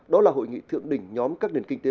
đó là hội nghị thượng đỉnh nhóm các nền kinh tế